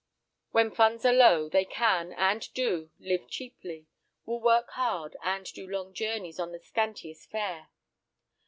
When funds are low, they can, and do, live cheaply; will work hard and do long journeys on the scantiest fare.